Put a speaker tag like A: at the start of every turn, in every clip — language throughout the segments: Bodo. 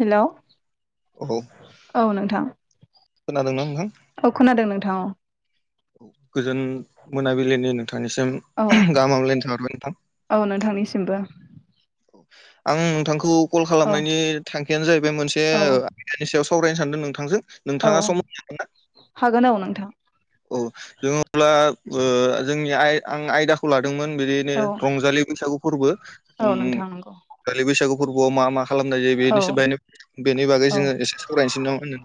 A: हेलौ
B: औ
A: औ नोंथां
B: खोनादोंना
A: औ खोनादों नोंथां।
B: औ गोजोन मोनाबिलिनि नों थांनिसिम
A: औ
B: गाहाम हामलायनाय थाहरबाय
A: औ
B: नोंथां।
A: नोंथांनिसिमबो
B: आं नोंथांखौ कल
A: औ
B: खालामनायनि थांखियानो जाहैबाय मोनसे
A: औ
B: आयदानि सायाव सावरायनो सानदों नोंथांजों
A: औ
B: नोंथाङा सम होनो हागोन ना
A: हागोन औ नोंथां
B: औ जों अब्ला जोंनि आं आयदाखौ लादों मोन बिदिनो
A: औ
B: रंजालि बैसागु फोरबो
A: औ नोंथां नंगौ
B: रंजालि बैसागु फोरबोआव मा मा खालामनाय
A: औ
B: जायो बेनि बागै
A: औ
B: जोङो एसे सावरायनोसै ना माहोनो?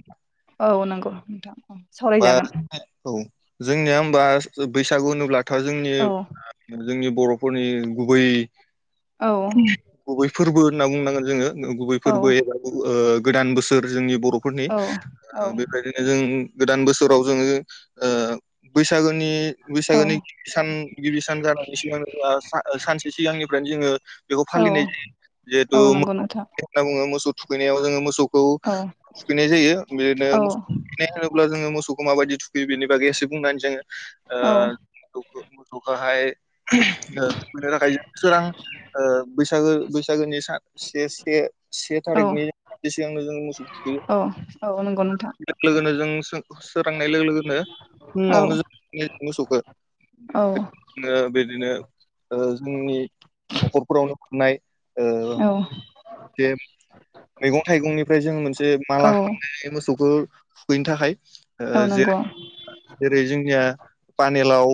A: औ नंगौ नोंथां सावरायजागोन
B: औ जोंनिया हबा बैसागु होनोब्लाथ' जोंनि
A: औ
B: जोंनि बर'फोरनि गुबै
A: औ
B: गुबै फोरबो होनना बुंनांगोन जोङो। गुबै
A: औ
B: फोरबो एबा गोदान बोसोर जोंनि बर'फोरनि
A: औ
B: बेबायदिनो जों गोदान बोसोराव जोङो बैसागो जोंनि बैसागोनि सान गिबि सान जानायनि सिगां सानसे सिगांनिफ्रायनो जोङो बेखौ
A: औ
B: फालिनाय जायो। जिहेतु
A: औ
B: मा
A: नंगौ नोंथां
B: होनना बुङो मोसौ थुखैनायाव जोङो मोसौखौ
A: औ
B: थुखैनाय जायो। बिदिनो
A: औ
B: मानो होनोब्ला जोङो मोसौखौ माबायदि थुखैयो बेनि बागै एसे बुंनानै होनोसै
A: औ
B: आंङो ओ मोसौखौहाय थुखैनो थाखाय सोरां बैसागो बैसागोनि से से से
A: औ
B: थारिखनि सिगांनो जों मोसौखौ थुखैयो।
A: औ औ नंगौ नोंथां
B: लोगोनो जों सोरांनाय लोगो लोगोनो
A: औ
B: फुङावनो जों थुखैनाय नुयो मोसौखौ
A: औ
B: बिदिनो जोंनि न'खरफोरावनो फाननाय
A: औ
B: जे मैगं थाइगंनिफ्राय जों मोनसे माला
A: औ
B: खालामनाय मोसौखो थुखैनो थाखाय
A: औ नंगौ
B: ओरै जोंनिया पानिलाव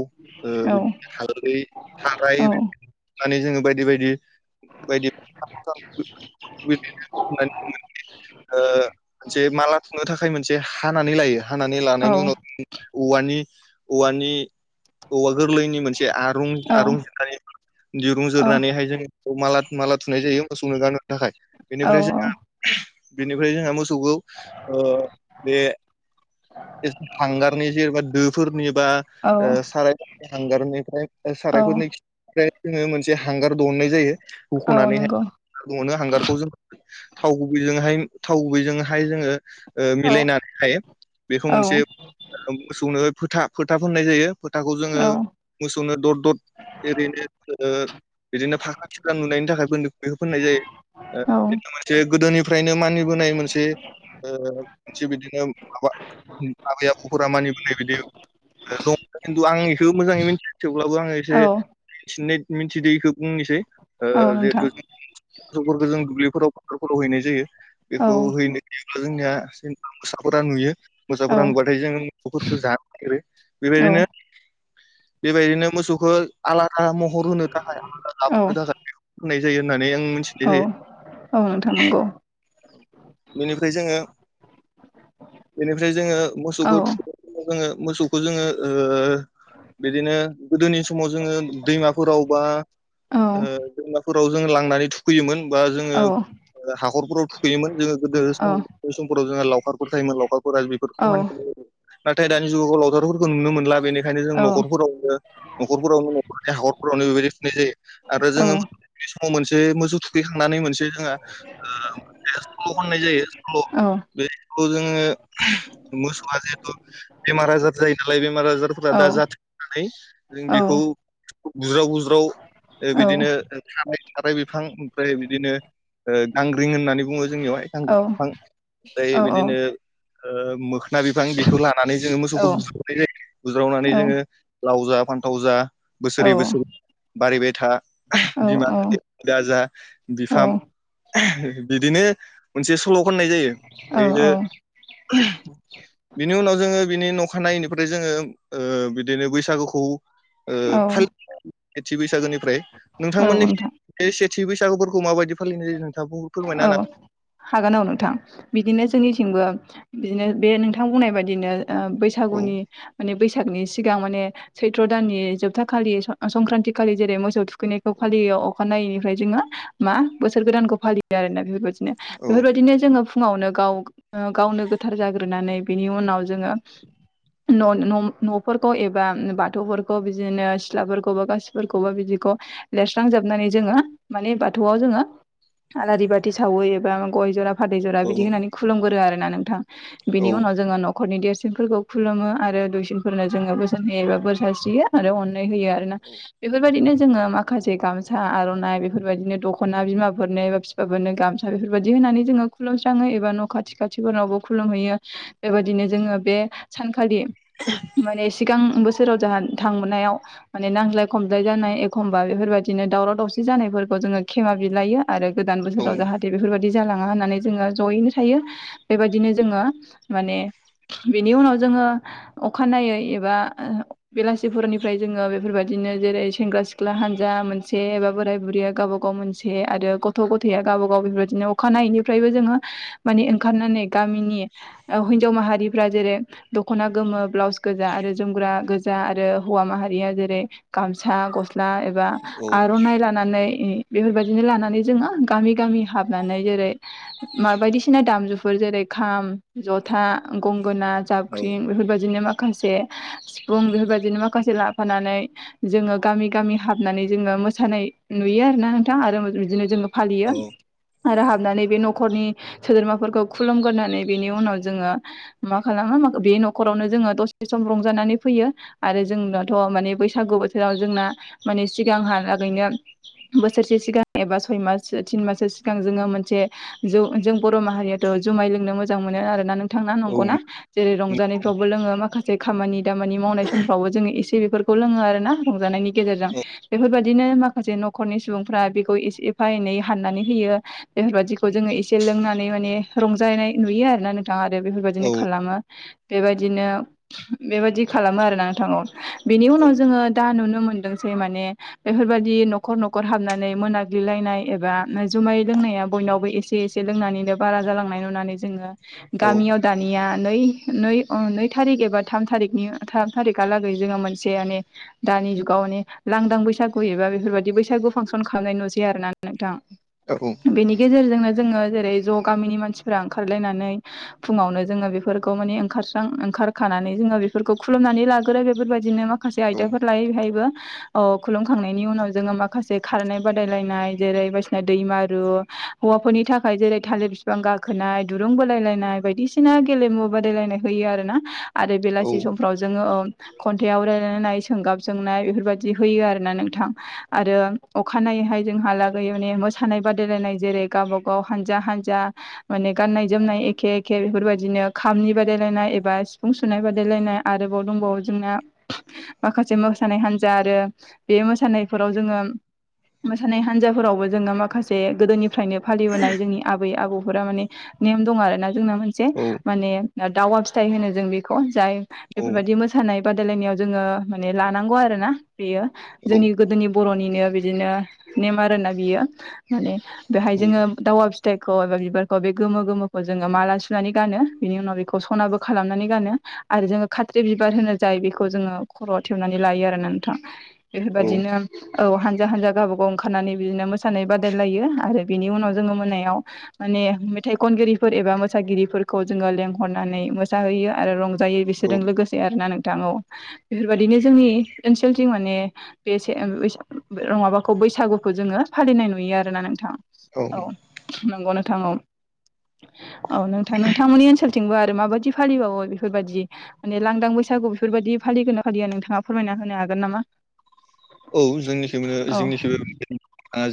A: औ
B: बिदिनो हालदै थाराय
A: औ
B: होनानै जोङो बायदि बायदि बायदि [unintelligible] मोनसे माला सुनो थाखाय मोनसे हानानै लायो। हानानै
A: औ
B: लानायनि उनाव औ औवानि औवा गोरलैनि मोनसे आरुं आरुं जिरनानैहाइ दिरुं जिरनानैहाय जों माला माला थुनाय जायो मोसौनो गानहोनो थाखाय बेनिफ्राय जोंहा बेनिफ्राय जोंहा मोसौखौ बे हांगारनि जेनबा दोफोरनि बा
A: औ
B: साराय हांगारनिफ्राय
A: औ
B: सारायफोरनि जोङो मोनसे हांगार दिहुनाय जायो
A: औ
B: हुख'नानैहाय
A: नंगौ
B: नो हांगारखौ जों थाव गुबैहाय थाव गुबैजोंहाय जोङो
A: औ
B: मिलायनानै हायो बेखौ
A: औ
B: मोनसे मोसौनो फोथा फोथा फोननाय जायो। फोथाखौ जोङो
A: औ
B: मोसौनो दर दर ओरैनो ओ बिदिनो फाखा थुख्रा नुनायनि थाखाय बेखौ फोननाय जायो। बेनो मोनसे गोदोनिफ्रायनो मानिबोनाय मोनसे ओ मोनसे बिदिनो माबा आबै आबौफोरा मानिबोनाय बादि दं खिन्थु आं बेखौ मोजाङै मिथिया थेवब्लाबो आङो एसे
A: औ
B: मिथिनाय मिथिदों इखौ बुंनोसै ओ
A: औ
B: जिहेथु
A: नोंथां
B: जों मोसौफोरखौ जों दुब्लिफोराव फथारफोराव हैनाय जायो।
A: औ
B: बेखौ हैनो जोंनिया जेनबा मोसाफोरा नुयो।
A: औ
B: फोरा नुब्लाथाय जोङो मोसौफोरखौ जानो नागिरो
A: औ
B: बेबायदिनो बेबायदिनो मोसौखौ आलादा महर होनो थाखाय आलादा
A: औ
B: लाबोनो थाखाय बेखौ फुननाय जायो होननानै आं मिथिनाय
A: औ
B: जायो।
A: औ नोंथां नंगौ
B: बेनिफ्राय जोङो बेनिफ्राय जोङो
A: औ
B: मोसौखौ थुखै जोङो मोसौखौ जोङो ओ बिदिनो गोदोनि समाव जोङो दैमाफोराव बा
A: औ
B: ओ दैमाफोराव जों लांनानै थुखैयोमोन। बा जोङो
A: औ
B: हाखरफोराव थुखैयोमोन जोङो गोदो
A: औ
B: सम-समफोराव जोङो लावखारफोर थायोमोन लावखार [unintelligible]
A: औ
B: बेफोरखौ मान नाथाय दानि जुगाव लावथारफोरखौ नुनो मोनला बेनिखायनो जों न'खरावबो न'खरफोरावनो न'खरनि हाखर वनो बेबायदि खुनाय जायो आरो
A: औ
B: जोङो बे समाव मोनसे मोसौ थुखैखांनानै मोनसे जोंहा ओ मोनसे सल' खननाय जायो सल' बे सल' जोङो मोसौआ जिहेथु बेमार आजार जायो नालाय बे बे आजारफोरा दा जाथों होननानै जों बेखौ गुज्राव गुज्राव ओ बिदिनो थारा-थाराय बिफां ओमफ्राय बिदिनो ओ गां ग्रिं होननानै बुङो जोंनियावहाय गांग्रिं बिफां ओमफ्राय बिदिनो ओ मोख ना बिफां बेखौ लानानै जोङो मोसौखौ बुज्रावनाय जायो बुज्रावनानै जोङो लाव जा फान्थाव जा बोसोरै बोसोरै बारिबाय था बिमा गाइदे बादि दा जा बिफा बिदिनो मोनसे सल' खाननाय जायो ओइ बेदि बिनि उनाव जोङो बिनि नखानायैनिफ्राय ओ जोङो बिदिनो बैसागुखौ ओ
A: औ
B: फालिनाय सेथि बैसागोनिफ्राय नोंथांमोननिथिं
A: नोंथां
B: एसे थि बैसागुफोरखौ माबायदि फालिनाय जायो नोंथां
A: औ हागोन औ नोंथां बिदिनो जोंनिथिंबो बिदिनो बे नोंथां बुंनाय बादिनो
B: हागोन
A: बैसागुनि माने बैसागु बैसागनि सिगां माने सैत्र' दाननि जोबथा खालि स-संक्रान्ति खालि जेरै मोसौ थु खैनायखौ फालियो अखानायैनिफ्राय जोङो मा बोसोर गोदानखौ फालियो आरोना बेफोर बायदि नो
B: औ
A: बेफोर बायदिनो जोङो फुङावनो गाव गावनो गोथार जाग्रोनानै बिनि उनाव जोङो न-न-न'फोरखौ एबा बाथौफोरखौ बिदिनो सिलाफोरखौबो गासिफोरखौबो बिदि ख लेरस्रांजोबनानै जोङो माने बाथौआव जोङो आलारि बाथि सावो एबा गय जरा फाथै जरा
B: औ
A: बिदि होननानै खुलुमगोरो आरोना नोंथां। बिनि उनाव जोङो न'खरनि देरसिन फोरखौ खुलुमो आरो दुइसिनफोरनो जोङो बोसोन होयो एबा बोर सास्रियो आरो अ ननाय हायो आरो ना बेफोर बायदिनो जोङो माखासे गामसा आर'नाइ बेफोर बायदिनो दख'ना बिमाफोरनो एबा फिफाफोरनो गामसा बेफोर बायदि होनानै जोङो खुुलुमस्राङो एबा न' खाथि खाथिफोरनावबो खुलुम हैैयो बेबायदि नो जोङो बे सानखालि माने सिगां बोसोर राव जाहा थांनायाव माने नांज्लाय खमज्लाय जानाय एखम्बा बेफोर बायदिनो दावराव दावसि जानायफोरखौ जोङो खेमा बिलायो आरो गोदान
B: औ
A: बोसोराव जाहाथे बेफोरबाय दि जालाङा होननानै जोङो ज'यैनो थायो। बेबायदिनो जोङो माने बेनि उनाव जोङो अखानायै एबा बेलासिफोरनिफ्राय जोङो बेफोर बायदि दिनो जेरै सेंग्रा सिख्ला हानजा मोनसे एबा बोराय बुरिया गावबा गाव मोनसे आरो गथ' गथ' गथाया गाबा गाव बेफोर बायदिनो अखानायैनिफ्रायबो जोङो माने ओंखारनानै गामिनि ओ हिनजाव माहारि हारिफ्रा जेरै दख'ना गोमो ब्लाउस गोजा आरो जोमग्रा गोजा आरो हौवा माहारिया जेरै गामसा गस्ला एबा
B: औ
A: आर'नाइ लानानै बेफोर बायदिनो लानानै जोङो गामि गामि हाबनानै जेरै मा बायदिसिना दामजुफोर जेरै खाम जथ था गंगोना जाबख्रिं बेफोर बादिनो माखा माखासे सिफुं बेफोर बायदिनो माखासे लाफानानै जोङो गामि गामि हाबनानै जोङो मोसानाय नुयो आरो ना नोंथां आरो बिदिनो जोङो फालियो
B: औ
A: आरो हाबनानै बे न'खरनि सोद्रोमाफोरखौ खुलुमगोरनानै बेनि उनाव जोङो मा खालामो बे न'खरावनो जोङो दसे सम रंजानानै फैयो आरो जोंनाथ' माने बैसागु बोथोराव जों ना माने सिगांहा लागैनो बोसोरसे सिगां एबा सय मास थिन माससो सिगां जोङो मोनसे जौ जों बर' माहारियाथ' जुमाय लोंनो मोजां मोनो आरोना नों थां ना
B: औ
A: नंगौना जेरै रंजानायफ्रावबो लोङो माखासे खामानि दामानि मावनाय समफ्रावबो जोङो एसे बेफोरखौ लोङो आरो ना रंजानायनि गेजेरजों बेफोरबायदिनो माखासे न'खरनि सुबुंफ्रा बेखौ एसे एफा एनै हाननानै होयो बेफोरबादिखौ जोङो एसे लोंनानै माने रंजानाय नुयो आरोना नोंथाङा दा
B: औ
A: बेफोरबायदिनो खालामो बेबायदिनो बेबायदि खालामो आरो ना नोंथा औ बेनि उनाव जोङो दा नुनो मोनदों जे माने बेफोरबायाददि न'खर न'खर हाबनानै मोना ग्लिलायनाय एबा जुमाय लोंनाया बयनावबो एसे एसे लोंनानैनो बारा जालांनाय नुनानै जोङो
B: औ
A: गामियाव दानिया नै नै ओ नै थारिख एबा थाम थारिनि थाम थारिखालागै जोङो मोनसे माने दानि जुगाव माने लांदां बैसागु एबा बेफोरबायदि बैसागु फांसन खालामनाय नुसै आरो ना नोंथां
B: औ
A: बेनि गेजेरजोंनो जोङो जेरै ज' गामिनि मानसिफोरा ओंखारलायनानै फुङावनो जोङो बेफोरखौ माने ओंखारस्रां ओंखारखानानै जोङा बेफोरखौ खुलुमनानै लागोरो बेफोर बायदिनो माखासे आयदाफोर लायो बेहायबो अ खुलुमखांनायनि उनाव जोङो माखासे खारनाय बा रायलायनाय जेरै बायदिसिना दैमारु हौवाफोरनि थाखाय जेरै थालिर बिफां गाखोनाय दुरुं बादायलायनाय बायदिसिना गेलेमु बादायलायनाय होयो आरोना आरो बेलासि समफ्राव जोङो ओ खन्थाइ आवरायलायनाय सोंगाब सोंनाय बेफोरबायदि होयो आरोना नोंथां आरो अखा हानाय जोंहालागै मोसानाय बादायलायनाय जेरै गावबा गाव हानजा हानजा माने गान नाय जोमनाय एखे एखे बेफोरबायदिनो खामानि बादायलायनाय एबा सिफुं सुनाय बादायलायनाय आरोबाव दंबाव जोंना माखासे मोसानाय हान्जा आरो बे मोसानायफोराव जोङो मोसानाय हान्जाफोरावबो जोङो माखासे गोदोनिफ्रायनो फालिबोनाय जोंनि आबै आबौफोरा माने नेम दं आरो ना जोंना मोनसे माने दावा फिथाइ होनो जों बेखौ जाय
B: औ
A: बेफोरबायदि मोसानाय बादायलायनायाव जोङो माने लानांगौ आरो ना बेयो
B: औ
A: जोंनि गोदोनि बर'निनो बिदिनो नेम आरो ना बियो माने बेहाय जोङो दावा फि थाइखौ एबा बिबारखौ बे गोमो गोमोखौ जोङो माला सुनानै गानो बिनि उनाव बेखौ सनाबो खालामनानै गानो आरो जोङो खाथ्रि बिबार होनो जाय बेखौ जोङो खर'आव थेबनानै लायो आरो नोंथां बेफोरबादिनो औ हान्जा हान्जा गावबा गाव ओंखारनानै बिदिनो मोसानाय बादायलायो आरो बिनि उनाव जोङो मोनायाव माने मेथाइ खनगिरिफोर एबा मोसागिरिफोरखौ जोङो लेंहरनानै मोसाहैयो आरो रं जायो बिसोरजों लोगोसे आरो ना नों थां औ बेफोरबायदिनो जोंनि ओनसोलथिं माने बेसे ओं बाखौ बैसागुखौ जोङो फालिनाय नुयो आरो ना नोंथां औ नंगौ नों थां औ औ नोंथां नोंथांमोननि ओनसोलथिंबो आरो माबायदि फालिबावो बेफोरबायदि माने लांदां बैसा सागु बेफोरबायदि फालिगोन ना फालिया नोंथाङा फोरमायना होनो हागोन नामा
B: औ जोंनिखै
A: औ
B: जोंनि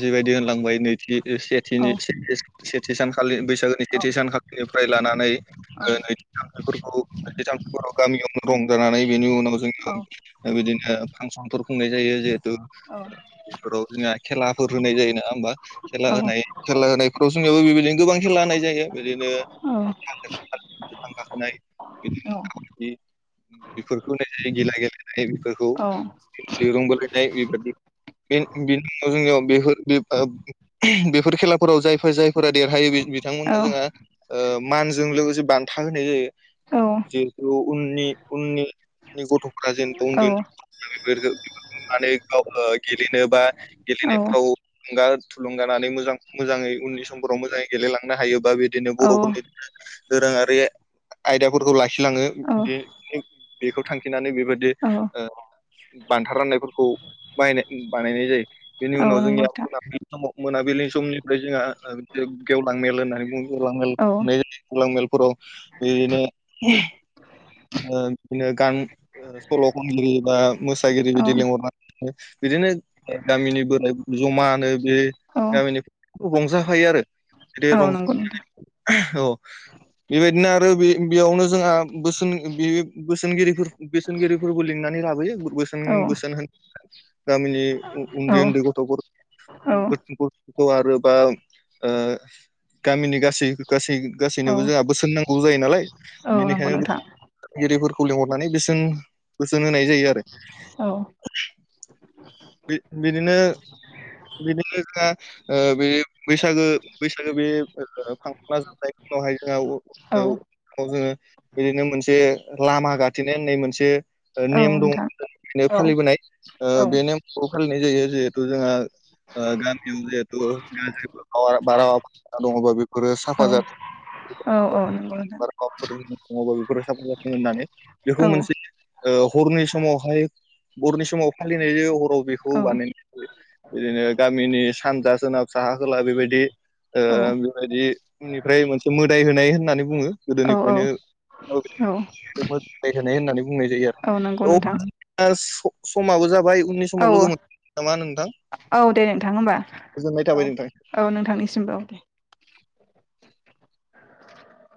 B: जिबायदि होनलांबाय नैथि
A: औ
B: सेथिनि सेथि सानखालि बै सागोनि
A: औ
B: सेथि सानखालिनिफ्राय लानानै
A: औ
B: [unintelligible] गामियावनो दं [unintelligible] बिनि उनाव
A: औ
B: बिदिनो फांसनफोर खुंनाय जायो जहेथु बेफोराव जोंहा खेलाफोर होनाय जायो नङा होमबा खेला होनाय खेला होनायफोराव जोंनियावबो बेबायदिनो गोबां खेला होनाय जायो बिदिनो [unintelligible] बिफां गाखोनाय बिदिनो [unintelligible] बेफोरखौ होनाय जायो गिला गेलेनाय बेफोरखौ दिरुं बोलायनाय बेबादि [unintelligible] जोंनियाव बेफोर बेफोर खेलाफोराव जायफोर जाय फोरा देरहायो बिथांमोननो जोंहा ओ मानजों लोगोसे बान्था होनाय जायो औ जिहेथु उननि उननि उननि गथ'फ्रा जेन उन्दै उन्दै गथ'फोरा बेफोरखो बेफोरखो नुनानै गावनो गेलेनो बा गेलेनायफ्राव थुलुंगा थुलुंगानानै मोजां मोजाङै उननि समफोराव मोजाङै गेलेलांनो हायो बा बिदिनो बर'फोरनि दोरोङारि आयदाफोरखौ लाखि खि लाङो
A: औ
B: बे बेखौ थांखिनानै बे बेबायदि
A: औ
B: बान्था राननायफोरखौ बाहानाय बानायनाय जायो बेनि
A: औ
B: उनाव
A: नंगौ
B: जोंनिया
A: नोंथां
B: मोनाबिलिनि समाव मोनाबिलिनि समनिफ्राय जोंहा गेवलां मेल होननानै बुङोब्ला मेल
A: औ
B: खुंनाय जायो गेवलां मेलफोराव बिदिनो बिदिनो गान सल' खनगिरि बा मोसागिरि
A: औ
B: बिदि लिंहरनानै बिदिनो गामिनि बोराय जमानो बे
A: औ
B: गामिनि रंजाफायो आरो बिदि
A: औ नंगौ नोंथां।
B: रंजानानै औ बेबायदिनो आरो बे बेयावनो जोंहा बोसोन बे बोसोनगिरि बोसोनगिरिफोरबो लिंनानै लाबोयो बोसोन
A: औ
B: बोसोन होनो- गामिनि
A: औ
B: उन्दै
A: औ
B: उन्दै गथ'फोर गथ- खौ आरो बा ओ गामिनि गासै गासै
A: औ
B: गासैनोबो जोंहा बोसोन नांगौ जायो नालाय
A: औ नंगौ
B: बेनिखायनो
A: नोंथां।
B: फोरखौ लिंहरनानै बोसोन बोसोन होनाय जायो आरो
A: औ
B: बि बिदिनो बिदिनो जोंहा ओ बे बैसागो बैसागो बे फांसना जोबनाय उनावहाय जोङो
A: औ
B: उनाव जोङो बिदिनो मोनसे लामा गाथेनाय होननाय मोनसे
A: औ
B: नेम
A: नोंथां।
B: दङ'
A: औ
B: फालिबोनाय
A: औ
B: बे नेम खौ फालिनाय जायो जिहेथु जोंहा ओ गामियाव जिहेथु गाज्रि बारहावा हाबना दङ'ब्ला बेफोरो साफा
A: औ
B: जाथों
A: औ औ
B: [unintelligible]
A: नोंथां।
B: जाथों होननानै
A: औ
B: बेखौ मोनसे हरनि समावहाय हरनि समाव फालिनाय जायो हराव बेखौ बानायनो गामिनि सानजा सोनाब साहा खोला बेबायदि ओ
A: औ
B: बेबायदि बेनिफ्राय मोनसे मोदाय होनाय होननानै बुङो गोदोनिफ्रायनो
A: औ औ
B: मोदाय होनाय होननानै बुंनाय जायो
A: औ नंगौ नोंथां।
B: आरो समाबो जाबाय उननि
A: औ
B: समाव लोगो मोनगोन नामा नोंथां
A: औ दे नोंथां होमबा
B: गोजोननाय थाबाय
A: औ
B: नोंथां
A: औ नोंथांनिसिमबो औ दे